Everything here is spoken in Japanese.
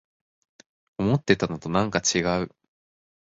思ってたのとなんかちがう